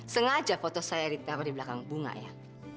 sengaja foto saya ditawar di belakang bunga ya